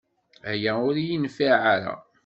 Aya ur iyi-yenfiɛ ara.